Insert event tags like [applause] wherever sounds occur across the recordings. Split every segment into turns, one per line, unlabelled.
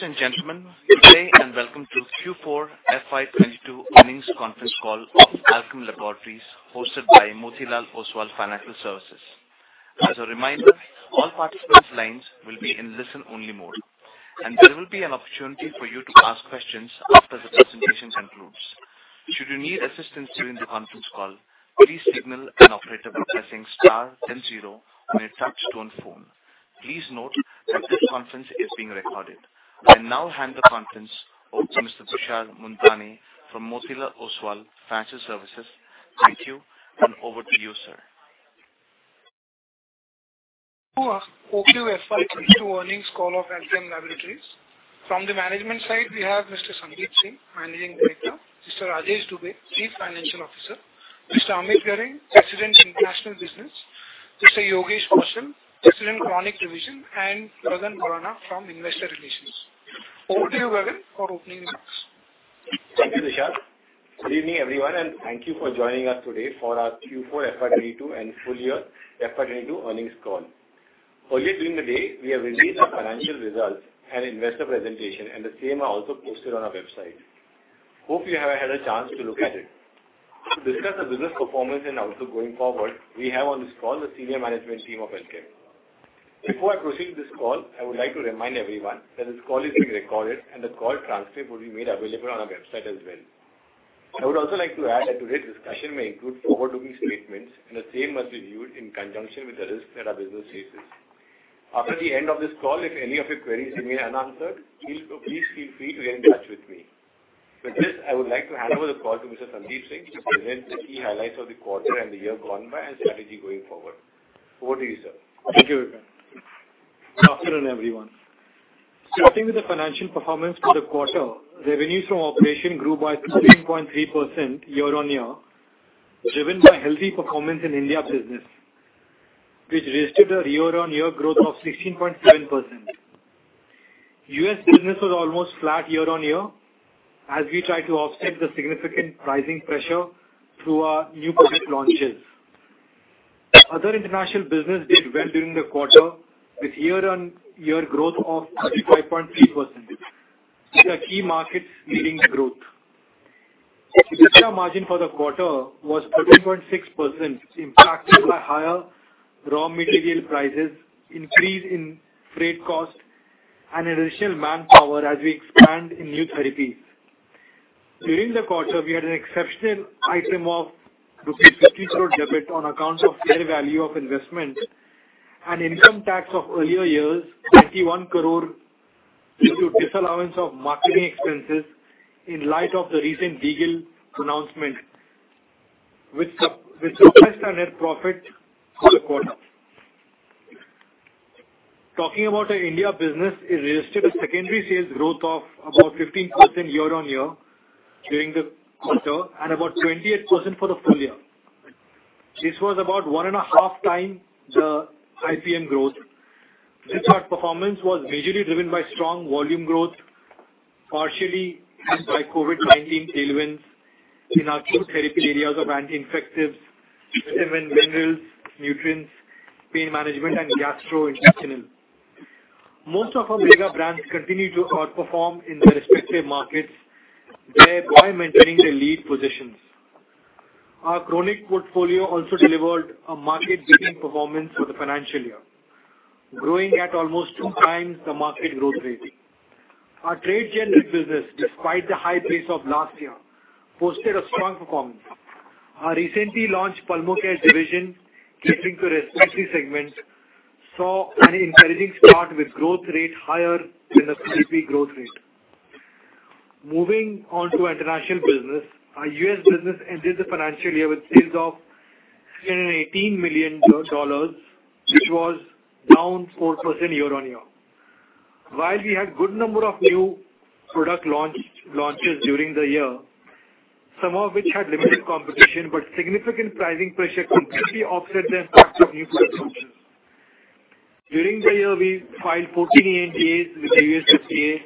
Ladies and gentlemen, good day and welcome to Q4 FY 2022 earnings conference call of Alkem Laboratories hosted by Motilal Oswal Financial Services. As a reminder, all participants' lines will be in listen-only mode, and there will be an opportunity for you to ask questions after the presentation concludes. Should you need assistance during the conference call, please signal an operator by pressing star then zero on a touch-tone phone. Please note that this conference is being recorded. I now hand the conference over to Mr. Tushar Manudhane from Motilal Oswal Financial Services. Thank you, and over to you, sir.
Welcome to our Q4 FY 2022 earnings call of Alkem Laboratories. From the management side, we have Mr. Sandeep Singh, Managing Director, Mr. Rajesh Dubey, Chief Financial Officer, Mr. Amit Ghare, President, International Business, Mr. Yogesh Kaushal, President, Chronic Division, and Gagan Borana from Investor Relations. Over to you, Gagan, for opening remarks.
Thank you, Tushar. Good evening, everyone, and thank you for joining us today for our Q4 FY 2022 and full year FY 2022 earnings call. Earlier during the day, we have released our financial results and investor presentation, and the same are also posted on our website. Hope you have had a chance to look at it. To discuss the business performance and also going forward, we have on this call the senior management team of Alkem. Before I proceed with this call, I would like to remind everyone that this call is being recorded and the call transcript will be made available on our website as well. I would also like to add that today's discussion may include forward-looking statements and the same must be viewed in conjunction with the risks that our business faces. After the end of this call, if any of your queries remain unanswered, please feel free to get in touch with me. With this, I would like to hand over the call to Mr. Sandeep Singh to present the key highlights of the quarter and the year gone by and strategy going forward. Over to you, sir.
Thank you, Gagan. Good afternoon, everyone. Starting with the financial performance for the quarter, revenues from operation grew by 13.3% year-on-year, driven by healthy performance in India business, which registered a year-on-year growth of 16.7%. U.S. business was almost flat year-on-year as we tried to offset the significant pricing pressure through our new product launches. Other international business did well during the quarter with year-on-year growth of 35.3%, with our key markets leading the growth. EBITDA margin for the quarter was 13.6%, impacted by higher raw material prices, increase in freight cost and additional manpower as we expand in new therapies. During the quarter, we had an exceptional item of rupees 50 crore debit on account of fair value of investment and income tax of earlier years, 91 crore, due to disallowance of marketing expenses in light of the recent legal announcement, which suppressed our net profit for the quarter. Talking about our India business, it registered a secondary sales growth of about 15% year-on-year during the quarter and about 28% for the full year. This was about 1.5x the IPM growth. This hard performance was majorly driven by strong volume growth, partially helped by COVID-19 tailwinds in our two therapy areas of anti-infectives, vitamin, minerals, nutrients, pain management and gastrointestinal. Most of our mega brands continue to outperform in their respective markets thereby maintaining their lead positions. Our chronic portfolio also delivered a market-beating performance for the financial year, growing at almost 2x the market growth rate. Our trade generics business, despite the high base of last year, posted a strong performance. Our recently launched Pulmocare division catering to respiratory segment saw an encouraging start with growth rate higher than the IPM growth rate. Moving on to international business, our U.S. business ended the financial year with sales of $1,018 million, which was down 4% year-on-year. While we had good number of new product launches during the year, some of which had limited competition, but significant pricing pressure completely offset the impact of new product launches. During the year, we filed 14 ANDAs with the U.S. FDA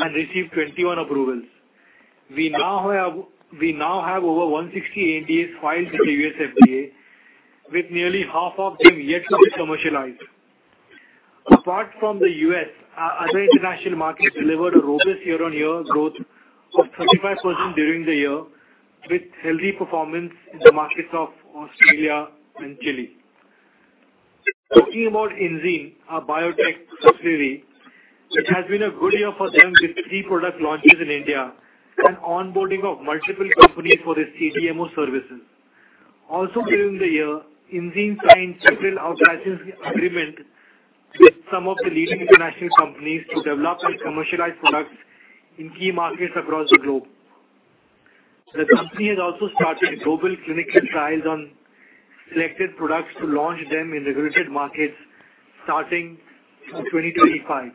and received 21 approvals. We now have over 160 ANDAs filed with the U.S. FDA, with nearly half of them yet to be commercialized. Apart from the U.S., our other international markets delivered a robust year-on-year growth of 35% during the year, with healthy performance in the markets of Australia and Chile. Talking about Enzene, our biotech subsidiary, it has been a good year for them with three product launches in India and onboarding of multiple companies for their CDMO services. Also during the year, Enzene signed several out-licensing agreements with some of the leading international companies to develop and commercialize products in key markets across the globe. The company has also started global clinical trials on selected products to launch them in regulated markets starting in 2025.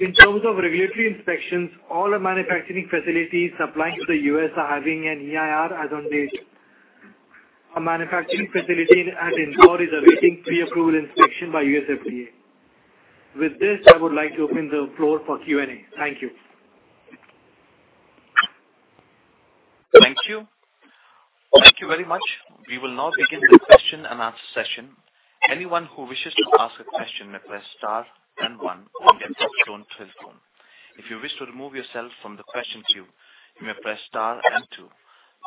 In terms of regulatory inspections, all our manufacturing facilities supplying to the U.S. are having an EIR as on date. Our manufacturing facility at Indore is awaiting pre-approval inspection by U.S. FDA. With this, I would like to open the floor for Q&A. Thank you.
Thank you. Thank you very much. We will now begin the question-and-answer session. Anyone who wishes to ask a question may press star and one on their touchtone telephone. If you wish to remove yourself from the question queue, you may press star and two.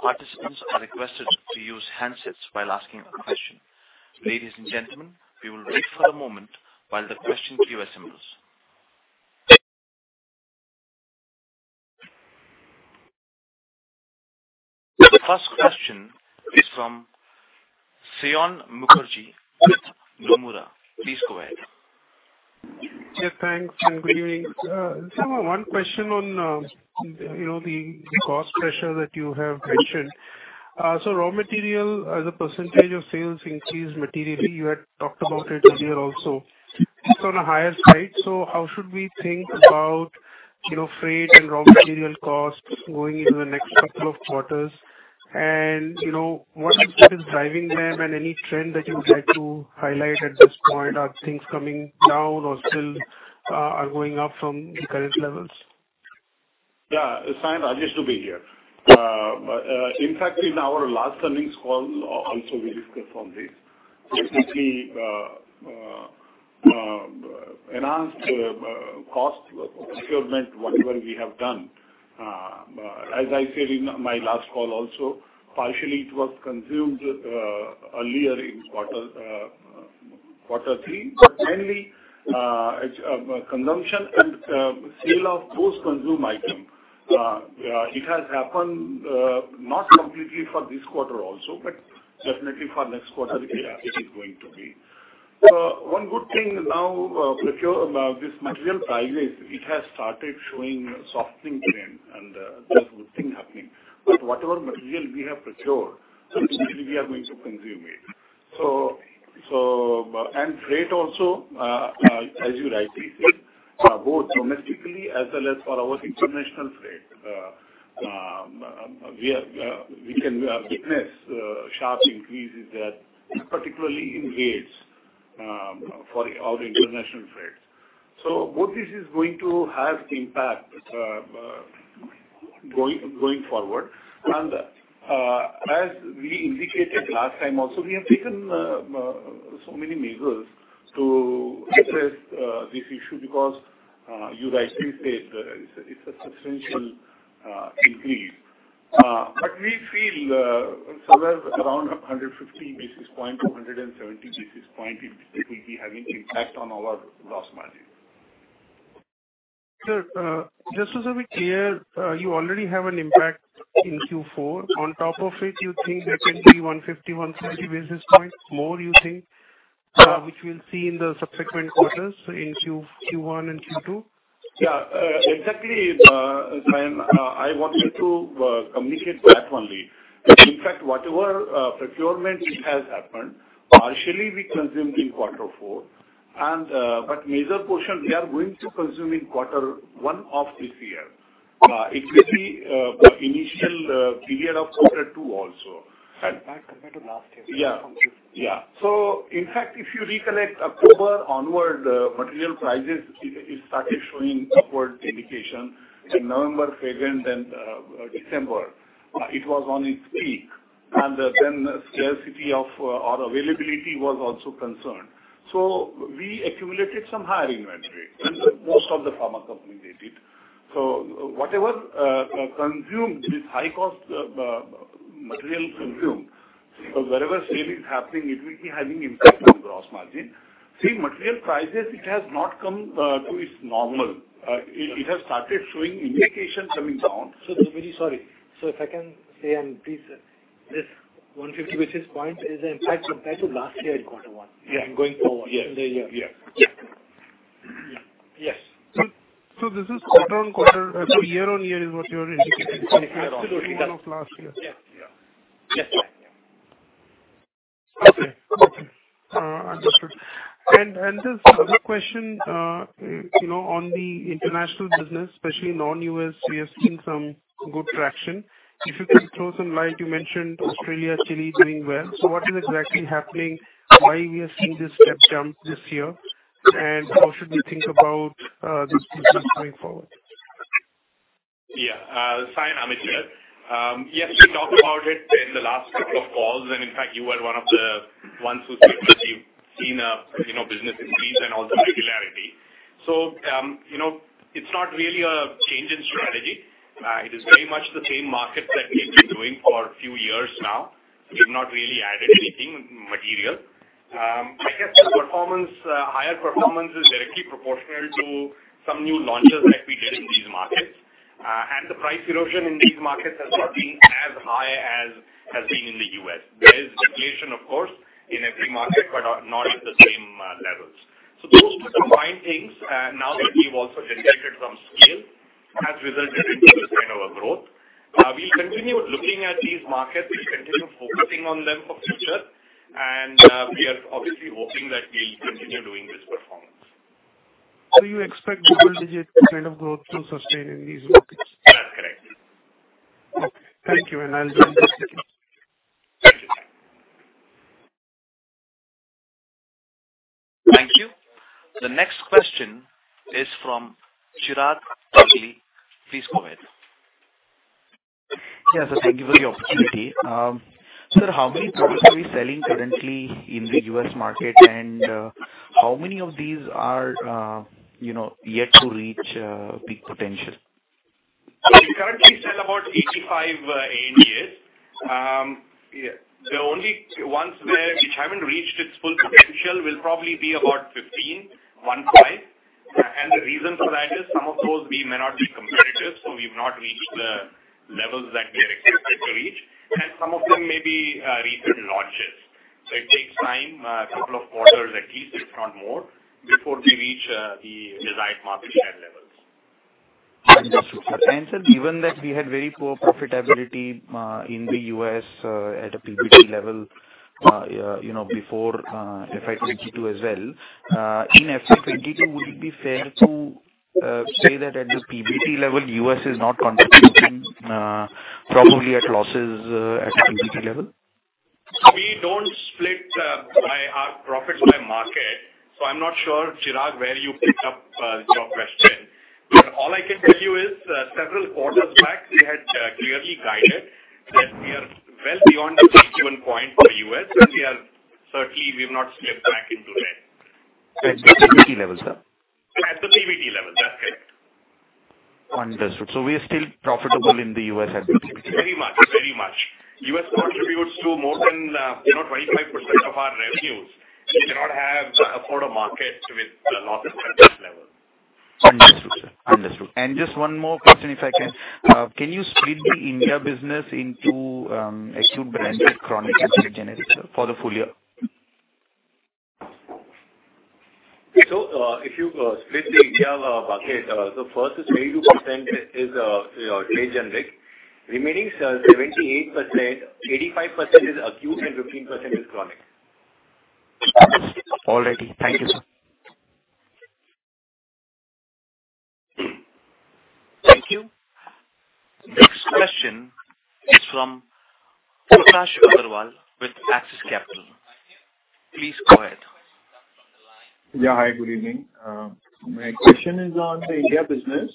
Participants are requested to use handsets while asking a question. Ladies and gentlemen, we will wait for a moment while the question queue assembles. The first question is from Saion Mukherjee with Nomura. Please go ahead.
Yeah, thanks, good evening. I just have one question on, you know, the cost pressure that you have mentioned. So raw material as a percentage of sales increased materially. You had talked about it earlier also. It's on a higher side, so how should we think about, you know, freight and raw material costs going into the next couple of quarters? And, you know, what is driving them and any trend that you would like to highlight at this point? Are things coming down or still are going up from the current levels?
Yeah. Saion, Rajesh Dubey here. In fact, in our last earnings call also we discussed on this. Obviously, enhanced cost procurement, whatever we have done, as I said in my last call also, partially it was consumed earlier in quarter three. Mainly, as a consumption and sale of those consumed items, it has happened not completely for this quarter also, but definitely for next quarter it is going to be. One good thing now, this material prices, it has started showing softening trend and that's a good thing happening. Whatever material we have procured, essentially we are going to consume it. Freight also, as you rightly said, both domestically as well as for our international freight, we can witness sharp increases, particularly in rates, for our international freights. Both this is going to have impact going forward. As we indicated last time also, we have taken so many measures to address this issue because, you rightly said, it's a substantial increase. But we feel, somewhere around 115-170 basis points it will be having impact on our gross margin.
Sir, just to be clear, you already have an impact in Q4. On top of it, you think there can be 150, 130 basis points more you think, which we'll see in the subsequent quarters in Q1 and Q2?
Yeah. Exactly, Saion, I wanted to communicate that only. In fact, whatever procurement it has happened, partially we consumed in quarter four and, but major portion we are going to consume in quarter one of this year. It will be the initial period of quarter two also.
Impact compared to last year.
In fact, if you recollect October onward, material prices started showing upward indication. In November and December, it was on its peak. Scarcity or availability was also concerned. We accumulated some higher inventory than most of the pharma company did it. Whatever consumed with high cost material consumed, because wherever sale is happening it will be having impact on gross margin. Same material prices, it has not come to its normal. It has started showing indication coming down.
Very sorry. If I can say, and please, sir, this 150 basis points is the impact compared to last year in quarter one going forward.
Yes.
In the year.
Yeah. Yes.
This is quarter-on-quarter. Year-on-year is what you are indicating.
Year-over-year.
Compared to the end of last year.
Yes. Yeah. Yes.
Okay. Understood. Just another question, you know, on the international business, especially non-U.S., we are seeing some good traction. If you could throw some light, you mentioned Australia, Chile doing well. What is exactly happening? Why we are seeing this step change this year, and how should we think about this business going forward?
Yeah. Saion, Amit here. Yes, we talked about it in the last couple of calls, and in fact, you were one of the ones who said that you've seen a you know business increase and also regularity. You know, it's not really a change in strategy. It is very much the same market that we've been doing for a few years now. We've not really added anything material. I guess the higher performance is directly proportional to some new launches that we did in these markets. And the price erosion in these markets has not been as high as has been in the U.S. There is regulation of course in every market, but not at the same levels. Those were the combined things, and now that we've also generated some scale, has resulted into this kind of a growth. We'll continue looking at these markets. We'll continue focusing on them for future. We are obviously hoping that we'll continue doing this performance.
You expect double-digit kind of growth to sustain in these markets?
That's correct.
Okay. Thank you, and I'll join the queue.
The next question is from Chirag Talati. Please go ahead.
Yeah. Thank you for the opportunity. How many products are we selling currently in the U.S. market and how many of these are, you know, yet to reach peak potential?
We currently sell about 85 ANDAs. The only ones where which haven't reached its full potential will probably be about 15. The reason for that is some of those we may not be competitive, so we've not reached the levels that we had expected to reach. Some of them may be recent launches. It takes time, a couple of quarters at least, if not more, before we reach the desired market share levels.
Understood. Sir, given that we had very poor profitability in the U.S. at a PBT level, you know, before FY 2022 as well, in FY 2022, would it be fair to say that at the PBT level, U.S. is not contributing, probably at losses, at PBT level?
We don't split our profits by market, so I'm not sure, Chirag, where you picked up your question. All I can tell you is, several quarters back, we had clearly guided that we are well beyond the breakeven point for U.S., and we are certainly. We've not slipped back into red.
At the PBT level, sir.
At the PBT level, that's correct.
Understood. We are still profitable in the U.S. at PBT.
Very much. U.S. contributes to more than 25% of our revenues. We cannot afford a market with loss at that level.
Understood, sir. Just one more question, if I can. Can you split the India business into, acute branded chronic and generic for the full year?
If you split the India bucket, first is 22% is, say, trade generic. Remaining 78%, 85% is acute and 15% is chronic.
All righty. Thank you, sir.
Thank you. Next question is from Prakash Agarwal with Axis Capital. Please go ahead.
Yeah. Hi, good evening. My question is on the India business.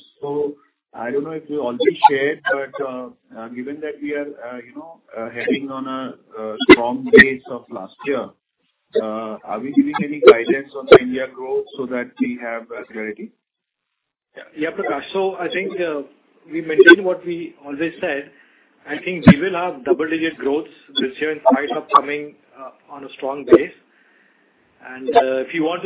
I don't know if you already shared, but, given that we are, you know, heading on a strong base of last year, are we giving any guidance on the India growth so that we have clarity?
Yeah. Yeah, Prakash. I think we maintain what we always said. I think we will have double-digit growth this year in spite of coming on a strong base. If you want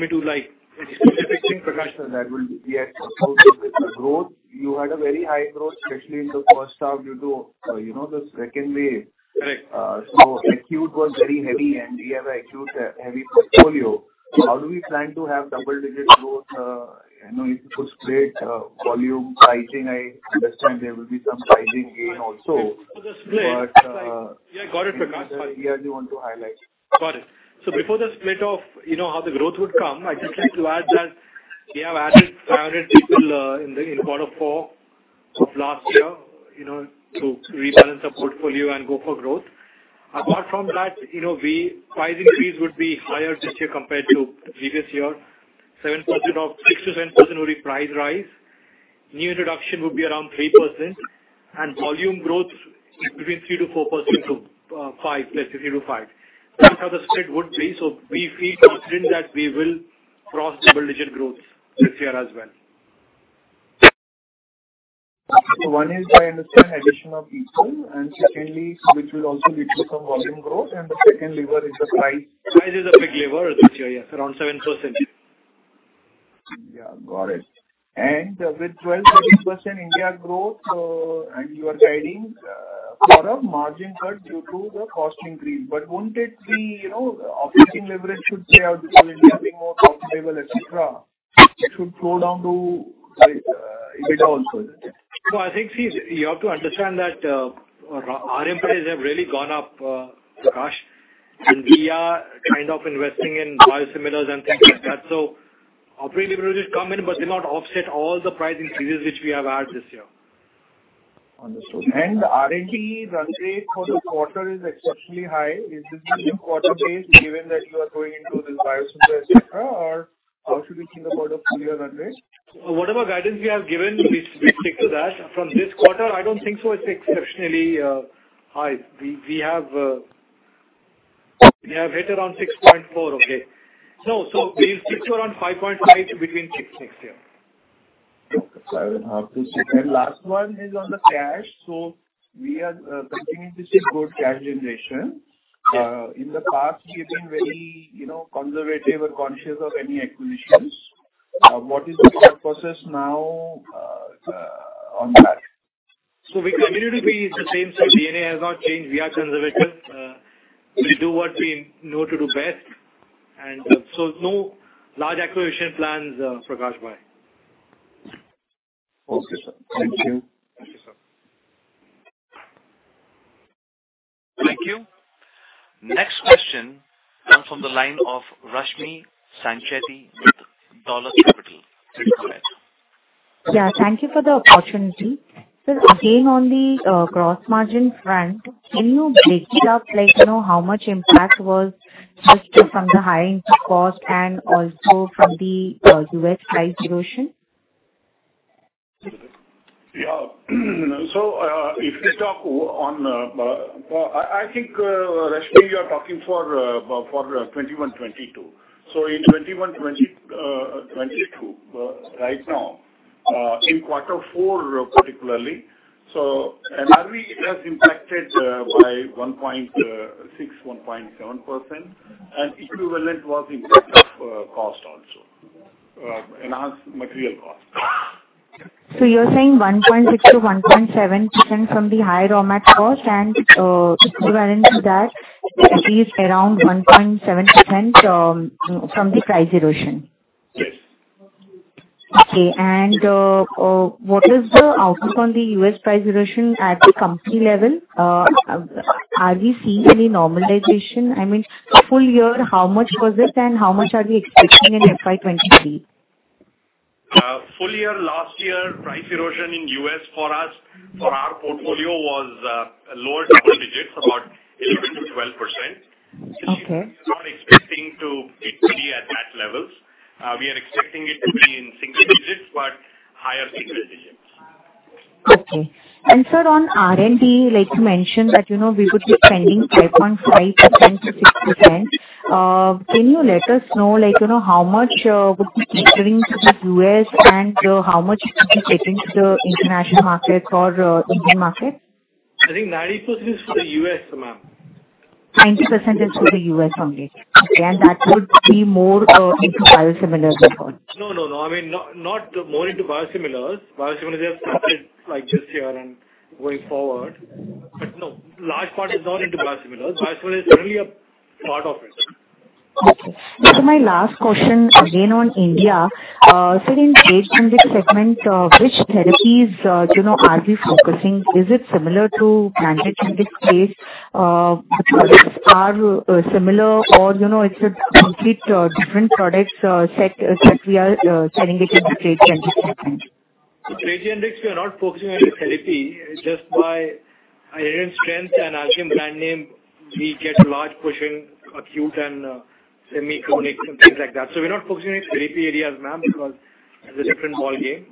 me to, like, be specific, sure, Prakash, that will be it.
The growth, you had a very high growth, especially in the first half, due to, you know, the second wave.
Correct.
Acute was very heavy, and we have acute heavy portfolio. How do we plan to have double-digit growth, you know, if you could split volume. I think I understand there will be some pricing gain also.
Before the split. Yeah, got it, Prakash. Sorry.
If there's anything else you want to highlight.
Got it. Before the split of, you know, how the growth would come, I'd just like to add that we have added 500 people in quarter four of last year, you know, to rebalance the portfolio and go for growth. Apart from that, you know, price increase would be higher this year compared to previous year. 6%-7% will be price rise. New introduction will be around 3% and volume growth between 3%-4% to 5. Let's say 3%-5%. That's how the split would be. We feel confident that we will cross double-digit growth this year as well.
One is, I understand, addition of people, and secondly, which will also lead to some volume growth, and the second lever is the price.
Price is a big lever this year, yeah. Around 7%.
Yeah. Got it. With 12%-13% India growth, and you are guiding for a margin cut due to the cost increase. Won't it be, operating leverage should play out because India being more profitable, et cetera. It should flow down to EBITDA also. Is that right?
No, I think, see, you have to understand that, our input has really gone up, Prakash, and we are kind of investing in biosimilars and things like that. Operating leverage come in, but they'll not offset all the price increases which we have had this year.
Understood. R&D run rate for the quarter is exceptionally high. Is this quarter-based, given that you are going into this biosimilar et cetera or how should we think about a full year run rate?
Whatever guidance we have given, we stick to that. From this quarter, I don't think it's exceptionally high. We have guided around 6.4%.
Okay.
No. We'll stick to around 5.5%-6% yeah.
Okay. 7.5%-6%. Last one is on the cash. We are continuing to see good cash generation. In the past you've been very, you know, conservative or conscious of any acquisitions. What is the thought process now on that?
We continue to be the same. DNA has not changed. We are conservative. We do what we know to do best. No large acquisition plans, Prakash bhai.
Okay, sir. Thank you.
Thank you. Next question comes from the line of Rashmi Sancheti with Dolat Capital.
Yeah, thank you for the opportunity. Again, on the gross margin front, can you break it up, like, you know, how much impact was just from the high input cost and also from the U.S. price erosion?
If we talk on, I think Rashmi, you are talking for 2021-22. In 2021-22, right now, in Q4 particularly, RM it has impacted by 1.6-1.7%, and equivalent was impact of cost also. Enhanced material cost.
You're saying 1.6%-1.7% from the high raw mat cost and, equivalent to that at least around 1.7%, from the price erosion?
Yes.
Okay. What is the outlook on the U.S. price erosion at the company level? Are we seeing any normalization? I mean, full year, how much was it and how much are we expecting in FY 2023?
Full year last year, price erosion in U.S. for us, for our portfolio was lower double digits, about 11%-12%.
Okay.
This year we're not expecting to be at that levels. We are expecting it to be in single digits, but higher single digits.
Okay. Sir, on R&D, like you mentioned, that, you know, we would be spending 8.5%-6%. Can you let us know, like, you know, how much would be catering to the U.S. and how much would be catering to the international market or Indian market?
I think 90% is for the U.S., ma'am.
90% is for the U.S. only. Okay. That would be more into biosimilars effort.
No. I mean, not more into biosimilars. Biosimilars have started, like, this year and going forward. No, large part is not into biosimilars. Biosimilars is only a part of it.
My last question, again on India. Sir, in trade generic segment, which therapies, you know, are we focusing? Is it similar to branded generic space? The products are similar or, you know, it's a complete different products, separate segment we are selling it in the trade generic segment?
Trade generics, we are not focusing on therapy. Just by our Indian strength and Asian brand name, we get large portion acute and, semi-chronic and things like that. We're not focusing on therapy areas, ma'am, because it's a different ballgame.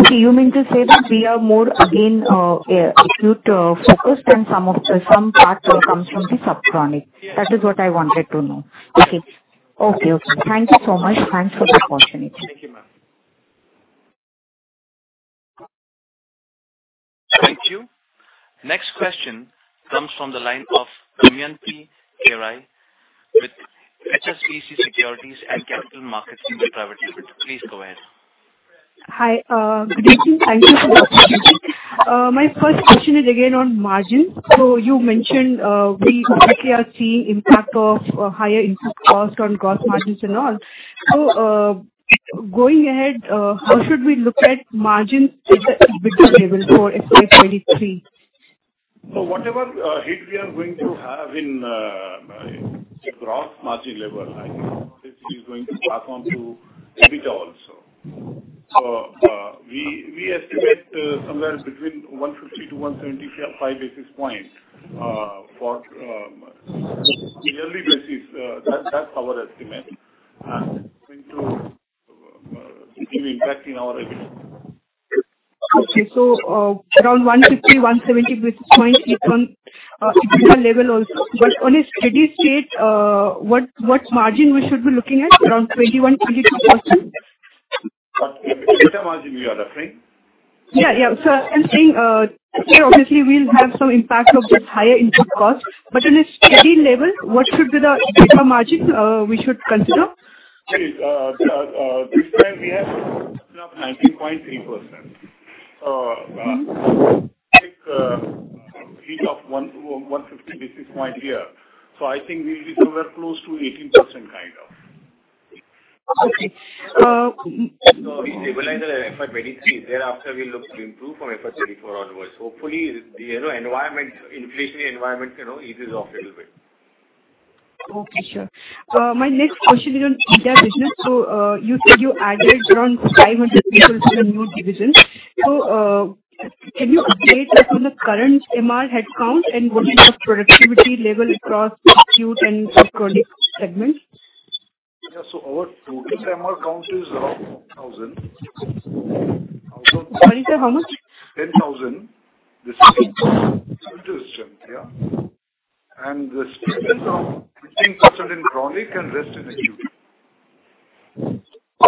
Okay. You mean to say that we are more, again, acutely focused and some parts comes from the chronic.
Yes.
That is what I wanted to know. Okay. Thank you so much. Thanks for the opportunity.
Thank you, ma'am.
Thank you. Next question comes from the line of Damayanti Kerai with HSBC Securities and Capital Markets India Private Limited. Please go ahead.
Hi. Good evening. Thank you for the opportunity. My first question is again on margin. You mentioned, we hopefully are seeing impact of higher input cost on gross margins and all. Going ahead, how should we look at margin at the EBITDA level for FY 2023?
Whatever hit we are going to have in the gross margin level, I think it is going to pass on to EBITDA also. We estimate somewhere between 150-175 basis points for on a yearly basis. That's our estimate. It's going to continue impacting our EBITDA.
Okay. Around 150-170 basis points hit on EBITDA level also. On a steady state, what margin we should be looking at, around 21%-22%?
EBITDA margin you are referring?
Yeah, yeah. I'm saying, here obviously we'll have some impact of this higher input cost, but on a steady level, what should be the EBITDA margin, we should consider?
Okay. This time we have 9.3%. I think hit of 150 basis points here. I think we'll be somewhere close to 18% kind of.
Okay.
We stabilize at FY 2023. Thereafter, we look to improve from FY 2024 onwards. Hopefully, you know, environment, inflationary environment, you know, eases off a little bit.
Okay. Sure. My next question is on EBITDA business. Can you update us on the current MR headcount and what is the productivity level across acute and chronic segments?
Yeah. Our total MR count is around 10,000.
Sorry, sir. How much?
10,000.
Okay.
Total strength, yeah. The strength is around 15% in chronic and rest in acute.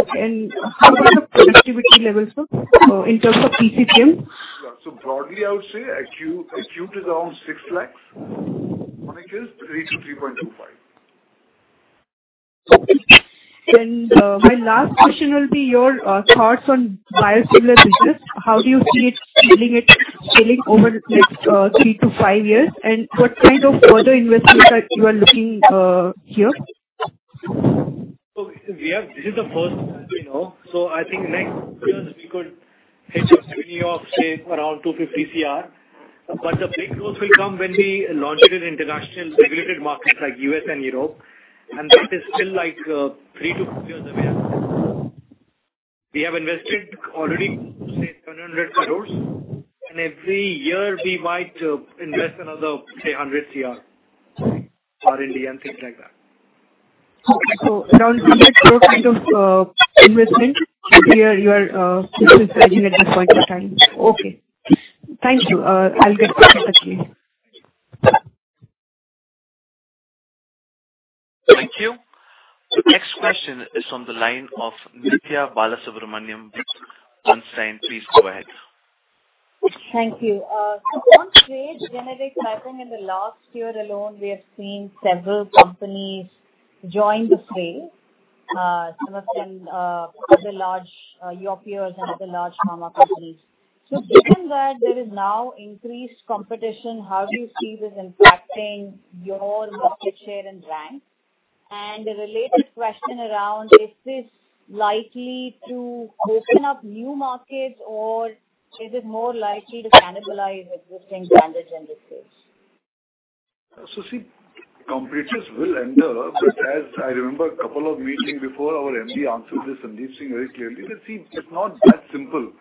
Okay. How is the productivity levels, sir, in terms of PCPM?
Yeah. Broadly, I would say acute is around INR 6 lakhs. Chronic is 3-3.25.
Okay. My last question will be your thoughts on biosimilar business. How do you see it scaling over the next 3-5 years? What kind of further investments are you looking here?
This is the first, you know, so I think next years we could. Headquarters in New York, say around 250 crore. The big growth will come when we launch it in international regulated markets like U.S. and Europe, and that is still like, 3-4 years away. We have invested already, say 700 crore, and every year we might invest another, say, 100 crore or Indian things like that.
Okay. Around 700 crore kind of investment here you are investing at this point in time. Okay. Thank you. I'll get back to you.
Thank you. The next question is on the line of Nithya Balasubramanian with Sanford C. Bernstein. Please go ahead.
Thank you. On trade generic mapping in the last year alone, we have seen several companies join the fray. Some of them, other large, your peers and other large pharma companies. Given that there is now increased competition, how do you see this impacting your market share and rank? A related question around, is this likely to open up new markets or is it more likely to cannibalize existing branded industries?
See, competitors will enter. As I remember a couple of meetings before our MD answered this, Sandeep Singh, very clearly. See, it's not that simple.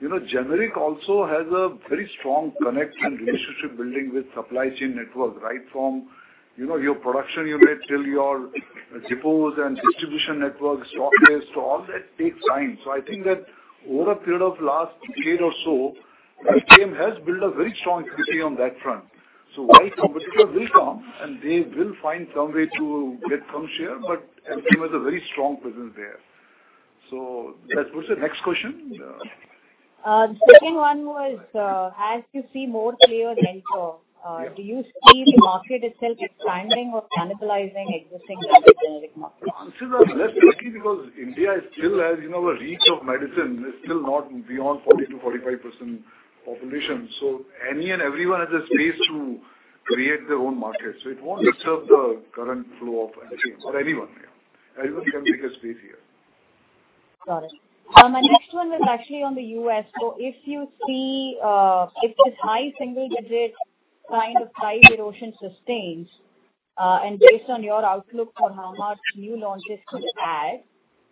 You know, generic also has a very strong connect and relationship building with supply chain network, right? From, you know, your production unit till your depots and distribution network stockists. All that takes time. I think that over a period of last year or so, IGM has built a very strong equity on that front. While competitors will come and they will find some way to get some share, but IGM has a very strong presence there. What's the next question?
The second one was, as you see more players enter, do you see the market itself expanding or cannibalizing existing generic markets?
Answers are less likely because India still has, you know, a reach of medicine. It's still not beyond 40%-45% population. Any and everyone has a space to create their own market. It won't disturb the current flow of IGM or anyone. Everyone can take a space here.
Got it. My next one was actually on the U.S. If you see, if this high single digit kind of price erosion sustains, and based on your outlook for how much new launches could add,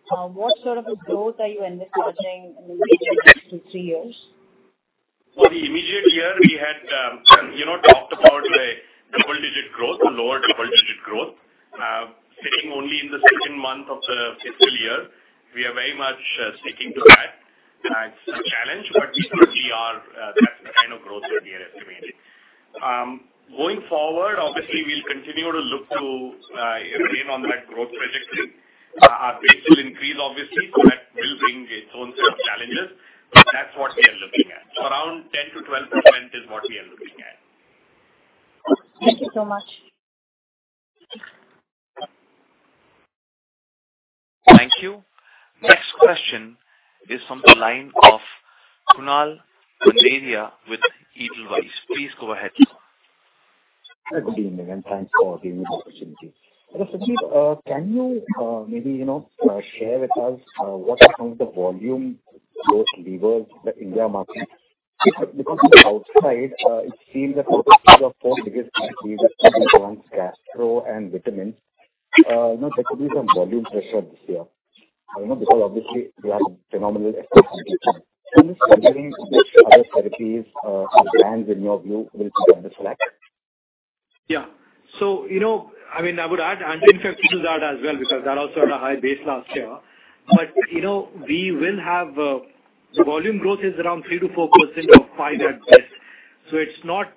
what sort of a growth are you envisaging in the immediate next two to three years?
For the immediate year, we had talked about a double-digit growth, a lower double-digit growth. Sitting only in the second month of the fiscal year, we are very much sticking to that. It's a challenge, but certainly that's the kind of growth that we are estimating. Going forward, obviously we'll continue to look to remain on that growth projection. Our base will increase obviously, so that will bring its own set of challenges. That's what we are looking at. Around 10%-12% is what we are looking at.
Thank you so much.
Thank you. Next question is from the line of Kunal Randeria with Edelweiss. Please go ahead.
Good evening, thanks for giving me the opportunity. Sandeep, can you maybe, you know, share with us what are the volume growth levers the Indian market? Because from the outside, it seems that the three or four biggest categories are around gastro and vitamins. You know, there could be some volume pressure this year. I know because obviously we have phenomenal therapies or brands in your view will be under select.
Yeah. You know, I mean, I would add anti-infectives to that as well because that also had a high base last year. You know, we will have the volume growth is around 3%-4% or 5% at best. It's not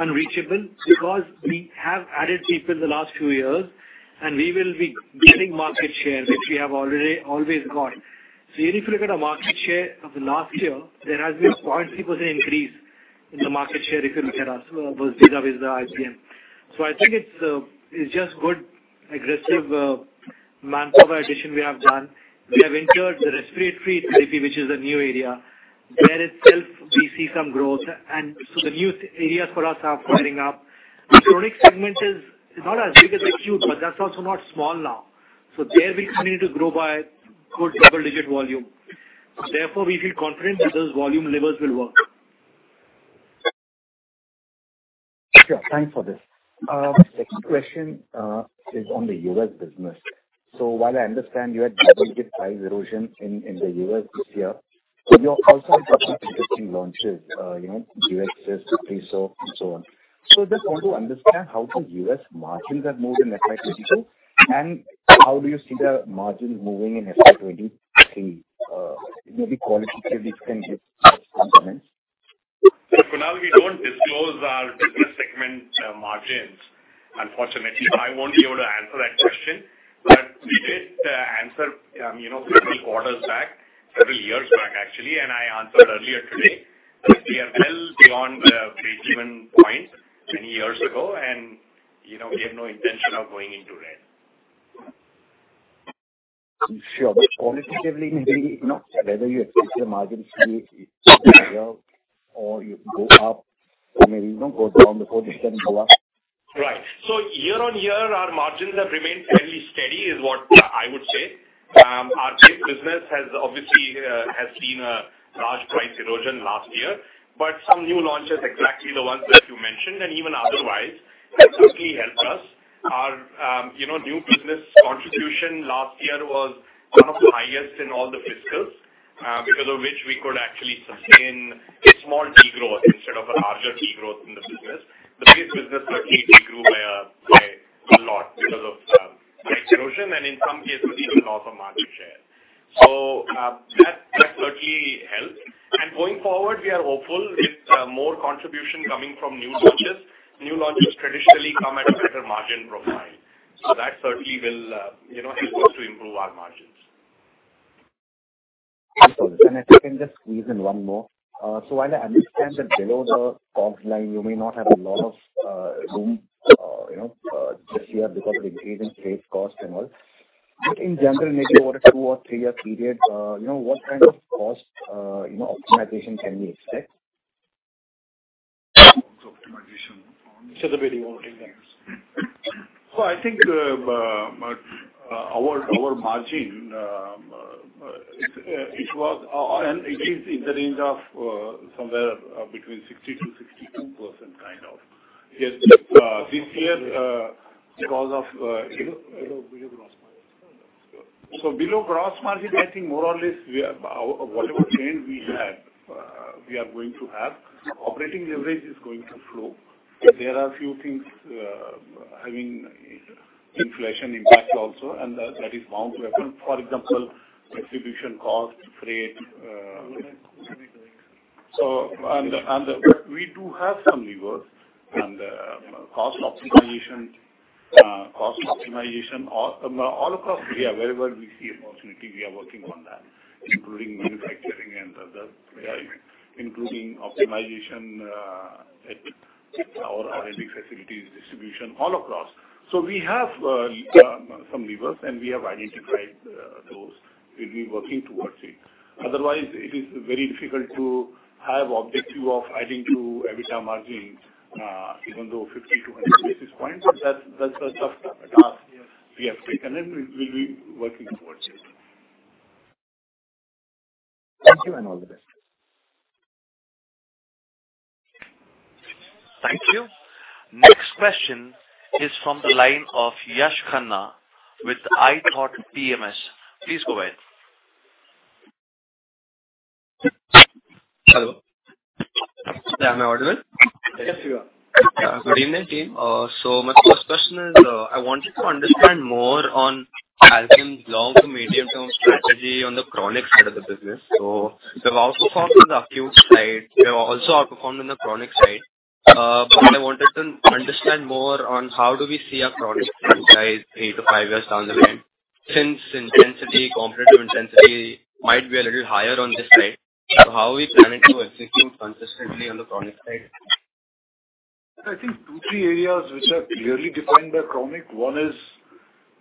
unreachable because we have added people the last few years and we will be getting market share, which we have already always got. Even if you look at our market share of the last year, there has been a 0.3% increase in the market share if you look at us, both Zydus and IPM. I think it's just good aggressive manpower addition we have done. We have entered the respiratory therapy, which is a new area. There itself we see some growth. The new areas for us are opening up. The chronic segment is not as big as acute, but that's also not small now. There we continue to grow by good double-digit volume. Therefore, we feel confident that those volume levers will work.
Sure. Thanks for this. Second question is on the U.S. business. While I understand you had double-digit price erosion in the U.S. this year, you're also having some interesting launches, you know, Duexis, [inaudible] and so on. I just want to understand how the U.S. margins have moved in FY 2022, and how do you see the margins moving in FY 2023? Maybe qualitatively you can give some comments.
For now we don't disclose our business segment, margins unfortunately. I won't be able to answer that question. We did answer, you know, several quarters back, several years back actually, and I answered earlier today. We are well beyond the breakeven point many years ago and, you know, we have no intention of going into red.
Sure. Qualitatively, maybe not whether you expect your margins to go up or maybe you don't go down the road, you can go up.
Right. Year-on-year, our margins have remained fairly steady is what I would say. Our trade business has obviously seen a large price erosion last year. Some new launches, exactly the ones that you mentioned and even otherwise, have certainly helped us. Our, you know, new business contribution last year was one of the highest in all the fiscals, because of which we could actually sustain a small degrowth instead of a larger degrowth in the business. The biggest business certainly degrew by a lot because of price erosion, and in some cases even loss of market share. That certainly helped. Going forward, we are hopeful with more contribution coming from new launches. New launches traditionally come at a better margin profile. That certainly will, you know, help us to improve our margins.
Excellent. If I can just squeeze in one more. While I understand that below the COGS line you may not have a lot of room, you know, this year because of the increase in trade cost and all, but in general, maybe over a 2- or 3-year period, you know, what kind of cost, you know, optimization can we expect?
Optimization on.
The way we want to take things.
I think our margin it is in the range of somewhere between 60%-62% kind of. Yes. This year because of
Below gross margin.
Below gross margin, I think more or less whatever change we had, we are going to have. Operating leverage is going to flow. There are a few things having inflation impact also, and that is bound to happen. For example, distribution costs, freight. We do have some levers and cost optimization all across India. Wherever we see an opportunity, we are working on that, including manufacturing and other areas, including optimization at our API facilities, distribution, all across. We have some levers, and we have identified those. We'll be working towards it. Otherwise, it is very difficult to have objective of adding to EBITDA margin even though 50-100 basis points. That's a tough task we have taken, and we'll be working towards it.
Thank you, and all the best.
Thank you. Next question is from the line of Yash Khanna with. [inaudible] Please go ahead.
Hello. Am I audible?
Yes, you are.
Good evening, team. My first question is, I wanted to understand more on Alkem's long- to medium-term strategy on the chronic side of the business. They've outperformed on the acute side. They have also outperformed on the chronic side. I wanted to understand more on how do we see our chronic business 3-5 years down the line, since competitive intensity might be a little higher on this side. How are we planning to execute consistently on the chronic side?
I think two, three areas which are clearly defined by chronic. One is,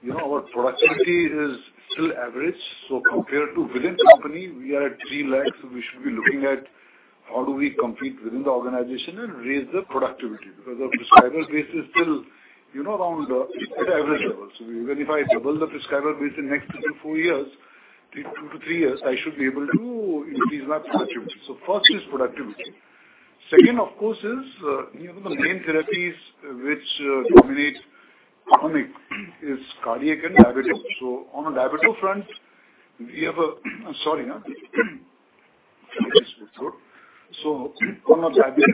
you know, our productivity is still average. Compared to within company we are at 3 lakhs. We should be looking at how do we compete within the organization and raise the productivity. Because our prescriber base is still, you know, around, at average levels. Even if I double the prescriber base in next 2-4 years, 2-3 years, I should be able to increase our productivity. First is productivity. Second, of course, is, you know, the main therapies which dominate chronic is cardiac and diabetes. On a diabetic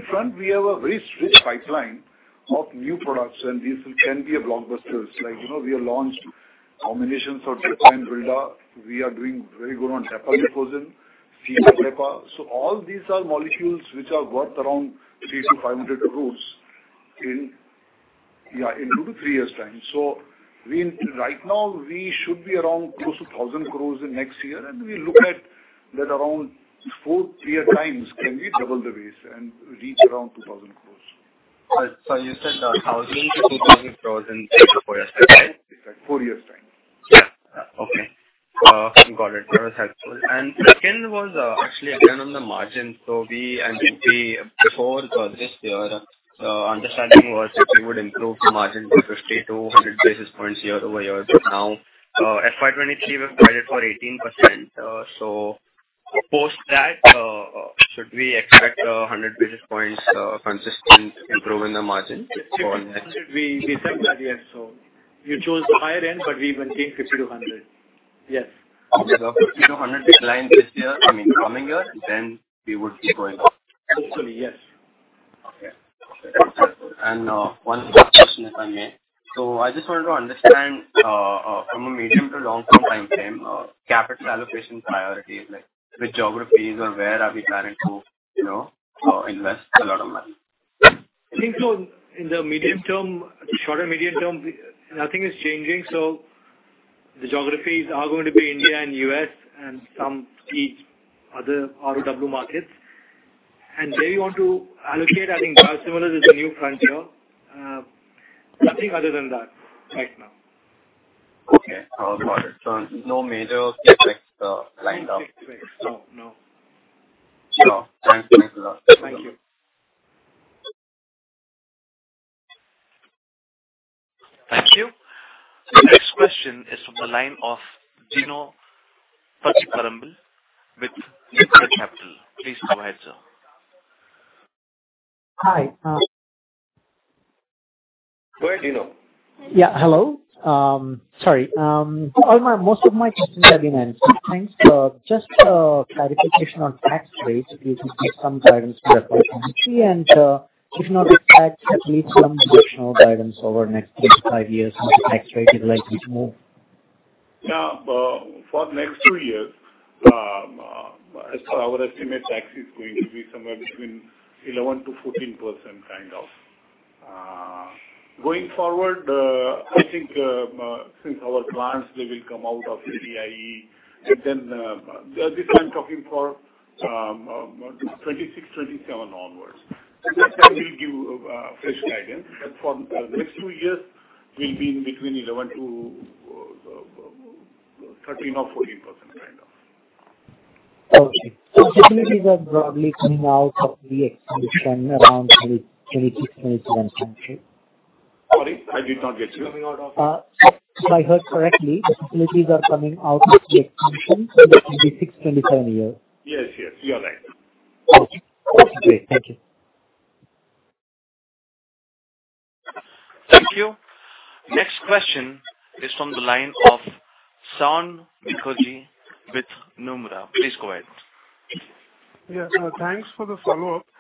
front, we have a very strict pipeline of new products and these can be blockbusters. Like, you know, we have launched combinations of glimepiride, vildagliptin. We are doing very good on dapagliflozin, sitagliptin. All these are molecules which are worth around 300-500 crores in, yeah, in 2-3 years' time. Right now we should be around close to 1,000 crores in next year, and we look at that around four clear times can we double the base and reach around 2,000 crores.
You said 1,000 crore-2,000 crore in 3-4 years' time?
Four years' time.
Yeah. Okay. Got it. That was helpful. Second was, actually again on the margin. I think before this year, understanding was that we would improve margin by 50 to 100 basis points year-over-year. Now, FY 2023, we've guided for 18%. Post that, should we expect 100 basis points, consistent improvement in the margin for next-
50 to 100, we said that, yes. You chose the higher end, but we've been saying 50 to 100. Yes.
Okay. 50%-100% decline this year, I mean, coming year, then we would be going up.
Hopefully, yes.
Okay. One more question, if I may. I just wanted to understand, from a medium to long-term timeframe, capital allocation priority, like which geographies or where are we planning to, you know, invest a lot of money?
I think so in the medium term, shorter medium term, nothing is changing. The geographies are going to be India and U.S. and some key other ROW markets. Where you want to allocate, I think cardiovascular is a new frontier. Nothing other than that right now.
Okay. Got it. No major CapEx lined up.
No CapEx. No, no. Thank you.
Thank you. The next question is from the line of [inaudible] with Nexus Capital. Please go ahead, sir.
Hi.
Go ahead, Gino.
Hello. Sorry. Most of my questions have been answered. Thanks. Just a clarification on tax rates, if you can give some guidance for 2023 and, if not this tax, at least some additional guidance over next three to five years on how the tax rate is likely to move.
Yeah. For the next two years, as per our estimate, tax is going to be somewhere between 11%-14% kind of. Going forward, I think, since our brands, they will come out of 80IE. This I'm talking for 2026, 2027 onwards. That time we'll give fresh guidance. For the next two years, we'll be in between 11-13 or 14% kind of.
Facilities are probably coming out of the expansion around 2026, 2027 time frame.
Sorry, I did not get you.
Coming out of?
If I heard correctly, the facilities are coming out of the expansion in the 2026-2027 year.
Yes, yes. You're right.
Okay. That's great. Thank you.
Thank you. Next question is from the line of Saion Mukherjee with Nomura. Please go ahead.
Thanks for the follow-up. Since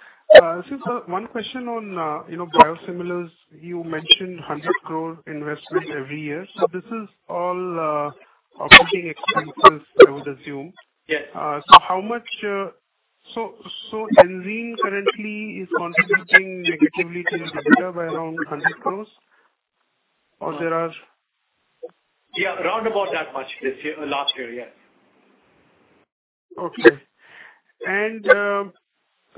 one question on, you know, biosimilars, you mentioned 100 crore investment every year. This is all operating expenses, I would assume.
Yes.
How much is Enzene currently contributing negatively till the year by around 100 crore? Or there are-
Yeah, round about that much this year. Last year, yes.
Okay.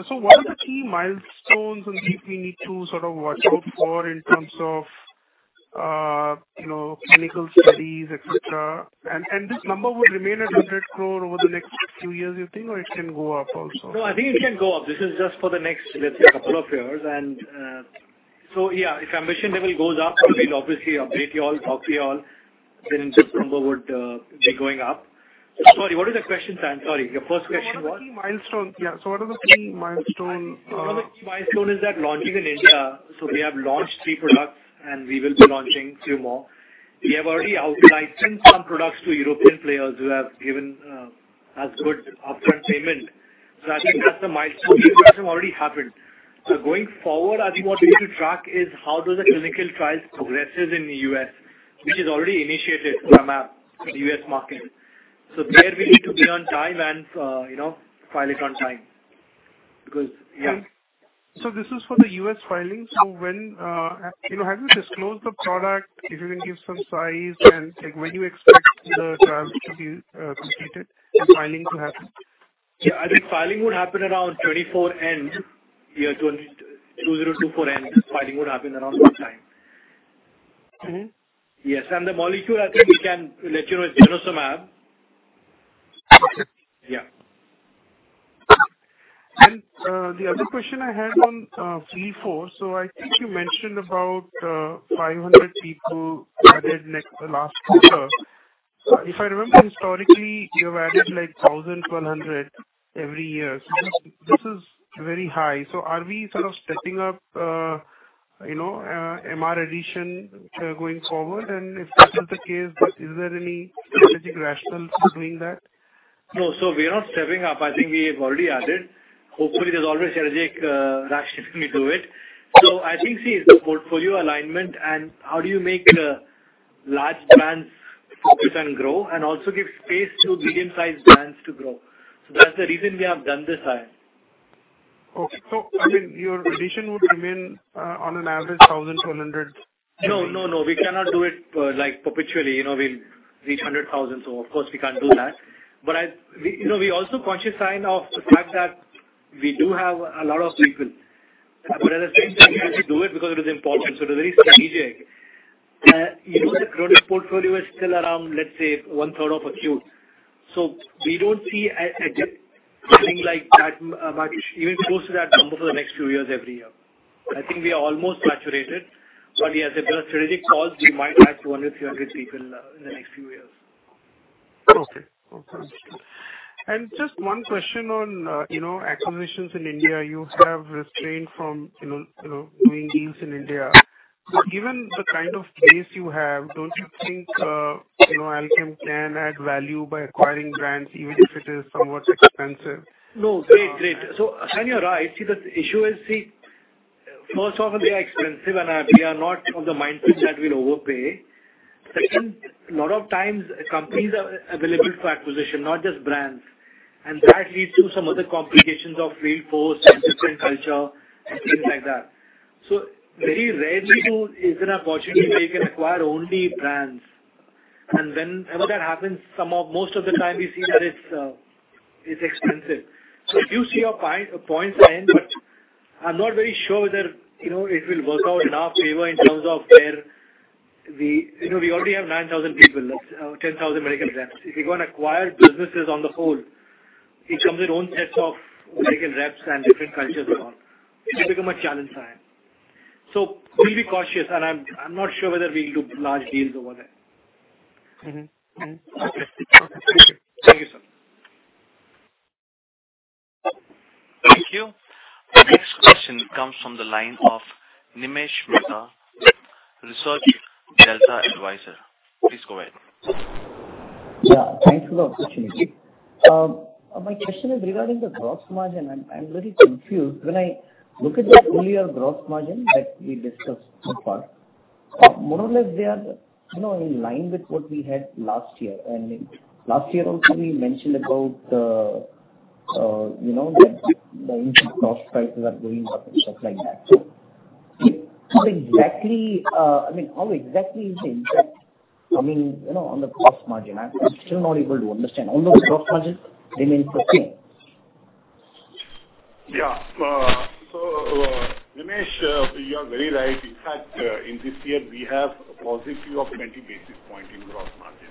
What are the key milestones and things we need to sort of watch out for in terms of, you know, clinical studies, etc. This number will remain at 100 crore over the next few years, you think, or it can go up also?
No, I think it can go up. This is just for the next, let's say, couple of years. Yeah, if ambition level goes up, we'll obviously update you all, talk to you all, then this number would be going up. Sorry, what is the question, Saion? Sorry, your first question was?
What are the key milestones?
One of the key milestone is that launching in India. We have launched three products, and we will be launching two more. We have already outsourced some products to European players who have given us good upfront payment. I think that's the milestone. These milestones already happened. Going forward, I think what we need to track is how does the clinical trials progresses in the U.S., which is already initiated from our, the U.S. market. There we need to be on time and, you know, file it on time.
This is for the U.S. filing. When have you disclosed the product? If you can give some size and, like, when do you expect the trial to be completed and filing to happen?
Yeah. I think filing would happen around 2024 end, year 2024 end. Filing would happen around that time. Yes. The molecule, I think we can let you know it's denosumab. Yeah.
The other question I had on field force. I think you mentioned about 500 people added the last quarter. If I remember historically, you have added, like, 1,000, 1,200 every year. This is very high. Are we sort of stepping up, you know, MR addition going forward? If that's not the case, is there any strategic rationale for doing that?
No. We are not stepping up. I think we have already added. Hopefully, there's always strategic rationale to it. I think, see, it's the portfolio alignment and how do you make large brands focus and grow and also give space to medium-sized brands to grow. That's the reason we have done this, Saion.
I mean, your addition would remain on an average 1,000-1,200 every year.
No, no. We cannot do it like perpetually. You know, we'll reach 100,000. Of course we can't do that. But we, you know, we also cognizant of the fact that we do have a lot of people. But at the same time, we have to do it because it is important. It is very strategic. You know, the product portfolio is still around, let's say, 1/3 of acute. We don't see a dip being like that much, even close to that number for the next two years every year. I think we are almost saturated. But yeah, if there's a strategic cause, we might add 200, 300 people in the next few years.
Okay. Understood. Just one question on, you know, acquisitions in India. You have restrained from, you know, doing deals in India. Given the kind of base you have, don't you think, you know, Alkem can add value by acquiring brands even if it is somewhat expensive?
No. Great. Saion You're right. See, the issue is, first off they are expensive, and we are not of the mindset that we'll overpay. Second, a lot of times companies are available for acquisition, not just brands. That leads to some other complications of workforce and different culture and things like that. Very rarely is an opportunity where you can acquire only brands. Whenever that happens, most of the time we see that it's expensive. I do see your point, but I'm not very sure whether, you know, it will work out in our favor in terms of where. We, you know, we already have 9,000 people. That's 10,000 medical reps. If you go and acquire businesses on the whole, it comes with own sets of medical reps and different cultures and all. It'll become a challenge, Saion. We'll be cautious, and I'm not sure whether we'll do large deals over there.
Okay. Thank you, sir.
Thank you. The next question comes from the line of Nimish Mehta, Research Delta Advisors. Please go ahead.
Yeah, thanks for the opportunity. My question is regarding the gross margin. I'm very confused. When I look at the full year gross margin that we discussed so far, more or less they are, you know, in line with what we had last year. Last year also we mentioned about, you know, that the input cost prices are going up and stuff like that. How exactly, I mean, how exactly is the impact coming, you know, on the gross margin? I'm still not able to understand. Although gross margin remains the same.
Yeah. Nimish, you are very right. In fact, in this year, we have a positive of 20 basis points in gross margin,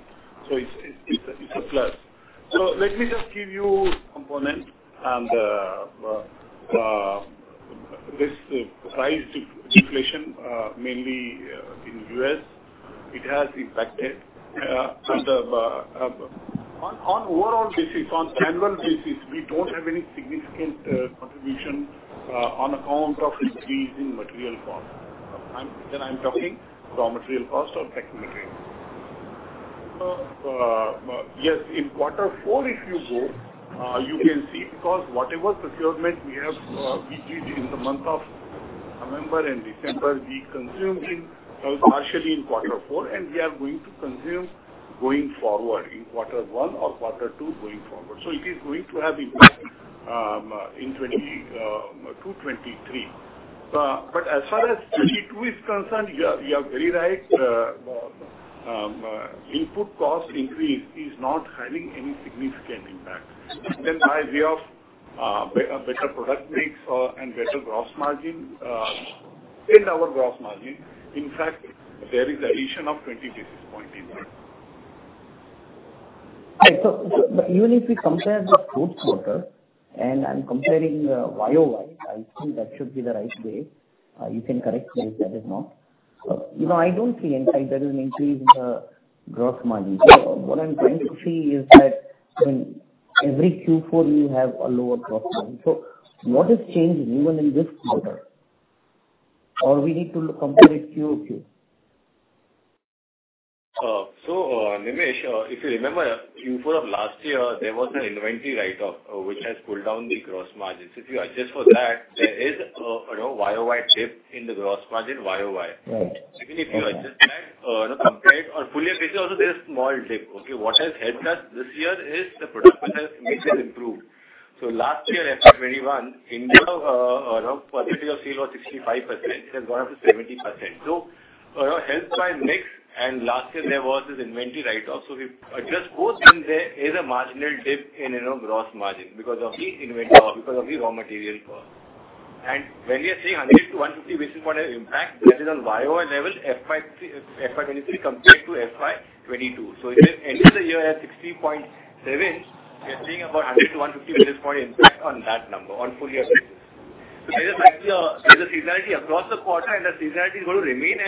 so it's a plus. Let me just give you component and this price inflation, mainly in U.S., it has impacted, and on overall basis, on annual basis, we don't have any significant contribution on account of increase in material cost. Then I'm talking raw material cost or pack material. Yes, in quarter four if you go, you can see because whatever procurement we have, we did in the month of November and December, we consumed partially in quarter four, and we are going to consume going forward in quarter one or quarter two going forward. It is going to have impact in 2022-23. As far as 2022 is concerned, you are very right. Input cost increase is not having any significant impact. By way of better product mix and better gross margin in our gross margin, in fact, there is addition of 20 basis points in that.
Right. Even if we compare the fourth quarter, and I'm comparing year-over-year, I think that should be the right way. You can correct me if that is not. You know, I don't see inside there is an increase in the gross margin. What I'm trying to see is that in every Q4 you have a lower gross margin. What is changing even in this quarter? Or we need to compare it quarter-over-quarter?
Nimish, if you remember Q4 of last year, there was an inventory write-off, which has pulled down the gross margins. If you adjust for that, there is a, you know, YoY dip in the gross margin.
Right.
Even if you adjust that, and compare it on full year basis also there is small dip. Okay. What has helped us this year is the product mix has improved. Last year, FY 2021, India, around composition of sales was 65%. It has gone up to 70%. You know, helped by mix and last year there was this inventory write-off. If you adjust both, then there is a marginal dip in, you know, gross margin because of the inventory, because of the raw material cost. When we are saying 100-150 basis points of impact, that is on year-over-year level, FY 2023 compared to FY 2022. If it ends the year at 60.7%, we are saying about a 100-150 basis points impact on that number on full year basis.
There's a seasonality across the quarter, and the seasonality is gonna remain.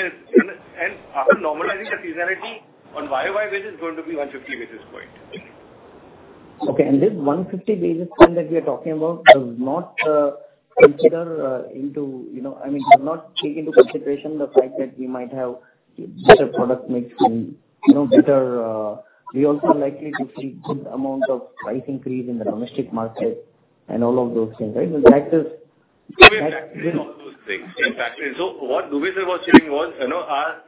After normalizing the seasonality on YoY basis, it's going to be 150 basis points.
This 150 basis point that we are talking about does not take into consideration the fact that we might have better product mix and, you know, better. We're also likely to see good amount of price increase in the domestic market and all of those things, right? So that is.
We are factoring all those things. What Dubey sir was sharing was, you know, our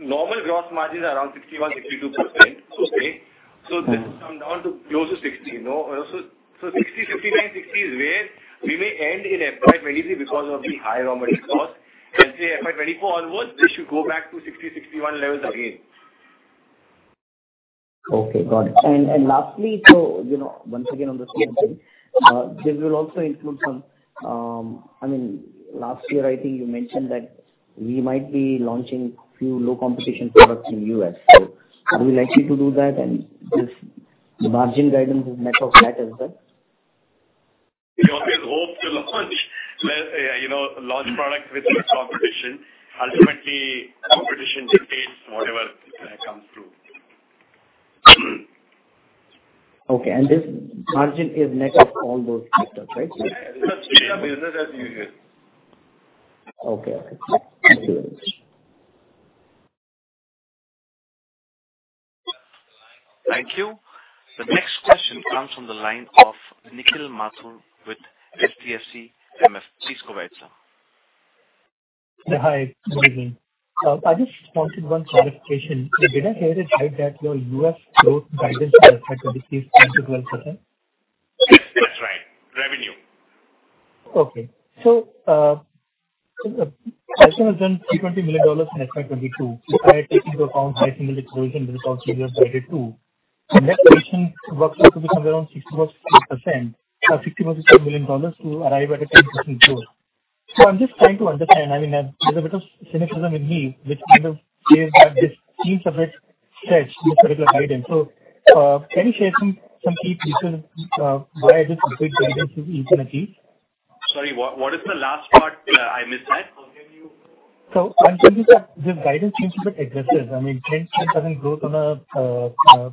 normal gross margin is around 61%-62%.
Okay.
This has come down to close to 60%. You know, so 60%, 59%-60% is where we may end in FY 2023 because of the high raw material cost. Let's say FY 2024 onwards, this should go back to 60%-61% levels again.
Okay, got it. Lastly, you know, once again on the same thing, this will also include some. I mean, last year I think you mentioned that we might be launching few low competition products in U.S. Are we likely to do that and this margin guidance is net of that as well?
We always hope to launch, you know, launch products with less competition. Ultimately, competition dictates whatever, comes through.
Okay. This margin is net of all those factors, right?
It's the same business as usual.
Okay. Thank you very much.
Thank you. The next question comes from the line of Nikhil Mathur with HDFC MF. Please go ahead, sir.
Hi, good evening. I just wanted one clarification. Did I hear it right that your U.S. growth guidance for FY 2023 is 10%-12%?
Yes, that's right. Revenue.
Okay. Alkem has done $320 million in FY 2022 despite taking into account high single-digit growth in business also we have guided to. That equation works out to be somewhere around 66% or $66 million to arrive at a 10% growth. I'm just trying to understand. I mean, there's a bit of cynicism in me which kind of feels that this seems a bit stretched in this particular guidance. Can you share some key pieces of why this big guidance is easily achieved?
Sorry, what is the last part? I missed that.
I'm saying that this guidance seems a bit aggressive. I mean, 10%-12% growth on a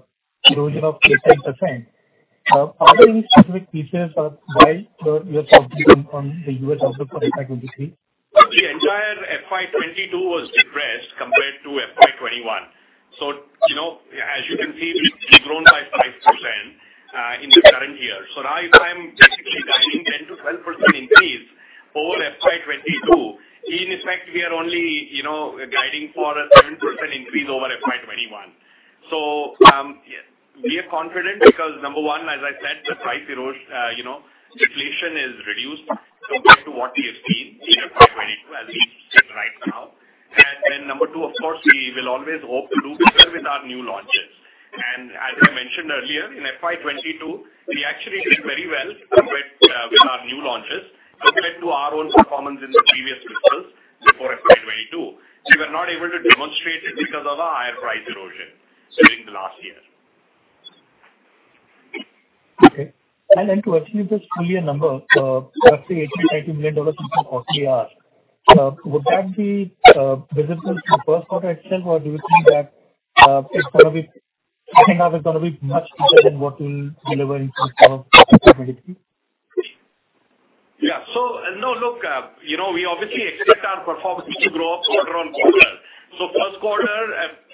erosion of 8%-10%. Are there any specific pieces of why you are confident on the U.S. outlook for FY 2023?
The entire FY 2022 was depressed compared to FY 2021. You know, as you can see, we've grown by 5% in the current year. Now if I'm basically guiding 10%-12% increase over FY 2022, in effect, we are only, you know, guiding for a 7% increase over FY 2021. Yeah. We are confident because number one, as I said, the price deflation is reduced compared to what we have seen in FY 2022 as we sit right now. Then number two, of course, we will always hope to do better with our new launches. As I mentioned earlier, in FY 2022 we actually did very well compared with our new launches compared to our own performance in the previous fiscal before FY 2022. We were not able to demonstrate it because of our higher price erosion during the last year.
Okay. To achieve this full year number, let's say $80 million-$90 million in terms of QTR, would that be visible in the first quarter itself or do you think that it's gonna be second half is gonna be much bigger than what we'll deliver in terms of immediately?
Yeah. No, look, you know, we obviously expect our performance to grow quarter-on-quarter. First quarter,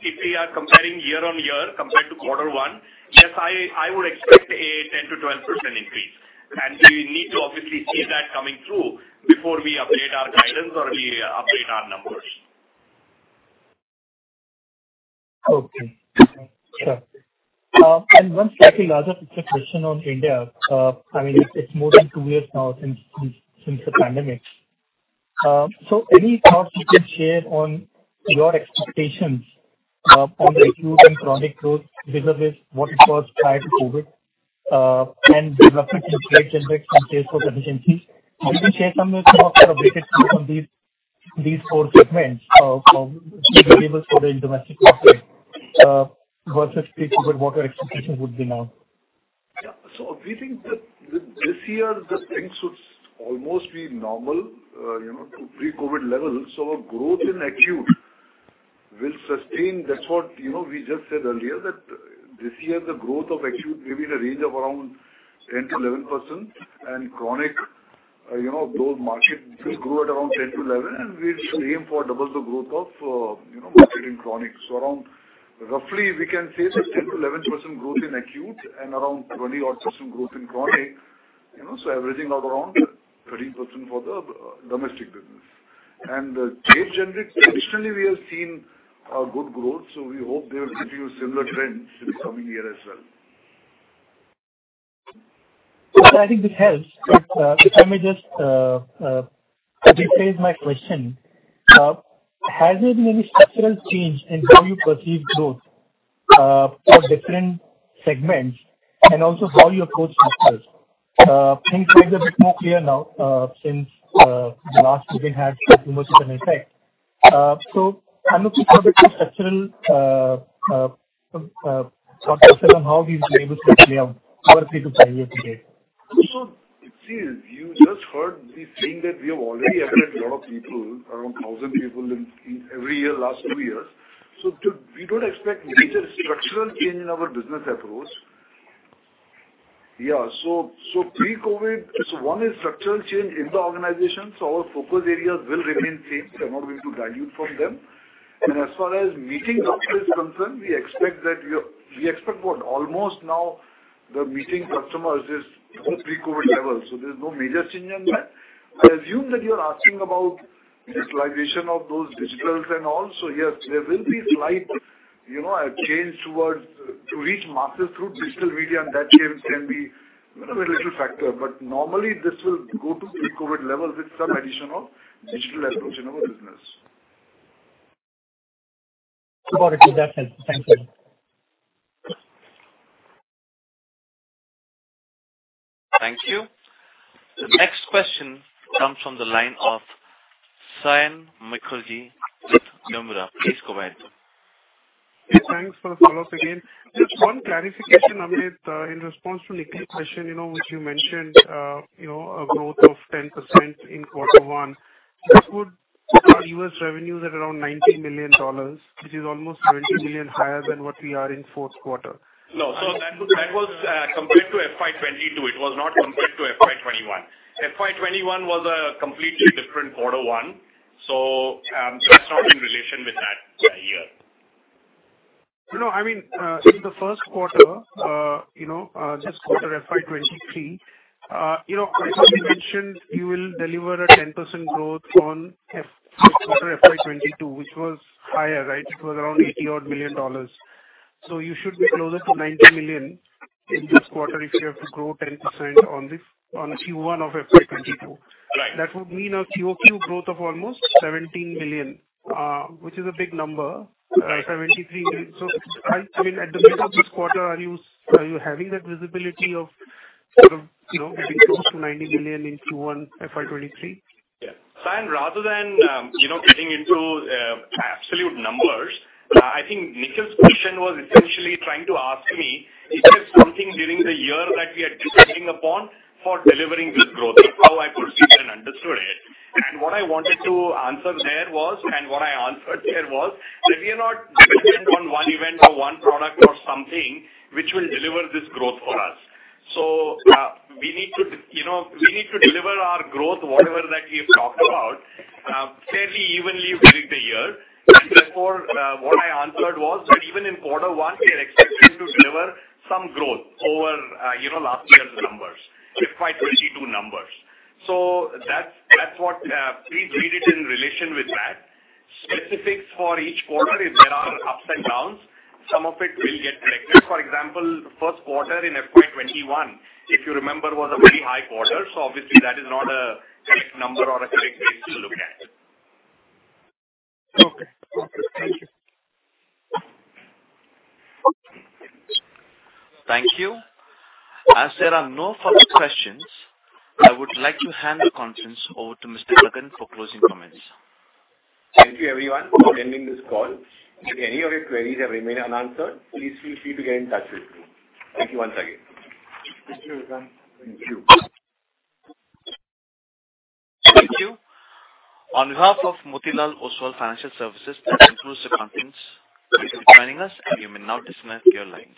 if we are comparing year-on-year compared to quarter one, yes, I would expect a 10%-12% increase. We need to obviously see that coming through before we update our guidance or we update our numbers.
Okay. Sure. And one slightly larger picture question on India. I mean, it's more than two years now since the pandemic. So any thoughts you can share on your expectations on the acute and chronic growth vis-a-vis what it was prior to COVID, and development in trade generics and sales force efficiency. Can you share some of your forecast on these four segments of key labels for the domestic market versus pre-COVID, what your expectations would be now?
Yeah. We think that this year the things should almost be normal, you know, to pre-COVID levels. Our growth in acute will sustain. That's what, you know, we just said earlier, that this year the growth of acute will be in a range of around 10%-11%. Chronic, you know, those markets will grow at around 10%-11%, and we'll aim for double the growth of, you know, market in chronic. Around roughly we can say 10%-11% growth in acute and around 20-odd% growth in chronic. You know, averaging of around 13% for the domestic business. Trade generics, additionally we have seen, good growth, so we hope they will continue similar trends in the coming year as well.
I think this helps. Let me just rephrase my question. Has there been any structural change in how you perceive growth for different segments and also how you approach customers? Things might be a bit more clear now since the last meeting had commercial effect. I'm looking for a bit of structural perspective on how these labels actually are free to buy here today.
See, you just heard me saying that we have already upfront a lot of people, around 1,000 people in every year, last two years. We don't expect major structural change in our business approach. One is structural change in the organization, so our focus areas will remain same. I'm not going to dilute from them. As far as meeting doctors is concerned, almost now the meeting customers is pre-COVID levels, so there's no major change in that. I assume that you are asking about utilization of those digitals and all. Yes, there will be slight, you know, a change towards to reach masses through digital media and that can be, you know, a little factor. Normally this will go to pre-COVID levels with some addition of digital approach in our business.
Got it. That helps. Thank you.
Thank you. The next question comes from the line of Saion Mukherjee with Nomura. Please go ahead.
Thanks for the follow-up again. Just one clarification, Amit, in response to Nikhil's question, which you mentioned, a growth of 10% in quarter one. This would put our U.S. revenues at around $90 million, which is almost $20 million higher than what we are in fourth quarter.
No. That was compared to FY 2022. It was not compared to FY 2021. FY 2021 was a completely different quarter 1, that's not in relation with that year.
No, I mean, in the first quarter, you know, this quarter, FY 2023, you know, as you mentioned, you will deliver a 10% growth on Q1 FY 2022, which was higher, right? It was around $80-odd million. So you should be closer to $90 million in this quarter if you have to grow 10% on Q1 of FY 2022.
Right.
That would mean a QoQ growth of almost 17 million, which is a big number, 73 million. I mean, at the middle of this quarter, are you having that visibility of sort of, you know, getting close to 90 million in Q1 FY 2023?
Yeah. Saion, rather than getting into absolute numbers, I think Nikhil's question was essentially trying to ask me is there something during the year that we are depending upon for delivering this growth? That's how I perceived and understood it. What I answered there was that we are not dependent on one event or one product or something which will deliver this growth for us. We need to deliver our growth, whatever that we've talked about, fairly evenly during the year. Therefore, what I answered was that even in quarter one we are expecting to deliver some growth over last year's numbers, FY 2022 numbers. That's what please read it in relation with that. Specifics for each quarter is there are ups and downs. Some of it will get corrected. For example, first quarter in FY 2021, if you remember, was a very high quarter. Obviously that is not a correct number or a correct base to look at.
Okay. Okay. Thank you.
Thank you. As there are no further questions, I would like to hand the conference over to Mr. Gagan for closing comments.
Thank you everyone for attending this call. If any of your queries have remained unanswered, please feel free to get in touch with me. Thank you once again.
Thank you.
Thank you. On behalf of Motilal Oswal Financial Services, that concludes the conference. Thank you for joining us, and you may now disconnect your lines.